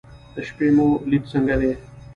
د شپې مو لید څنګه دی؟